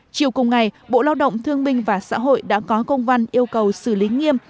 chiều cùng ngày bộ lao động thương minh và xã hội đã có công văn yêu cầu xử lý nghiêm